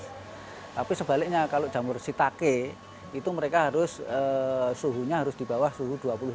tapi sebaliknya kalau jamur shiitake mereka suhunya harus di bawah dua puluh lima degrees celcius